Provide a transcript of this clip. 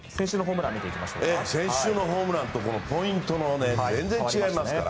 先週のホームランとポイントが全然違いますから。